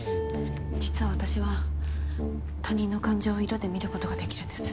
実は私は他人の感情を色で見ることができるんです。